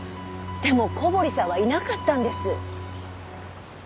でも小堀さんはいなかったんです。